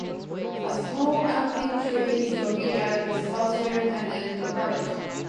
A small amphitheatre is located at the southern end of the park.